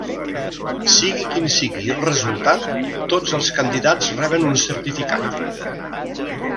Sigui quin sigui el resultat, tots els candidats reben un certificat.